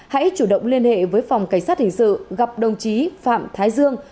hãy chủ động liên hệ với phòng cảnh sát hình sự gặp đồng chí phạm thái dương